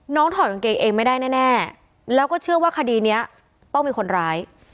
ถอดกางเกงเองไม่ได้แน่แล้วก็เชื่อว่าคดีนี้ต้องมีคนร้าย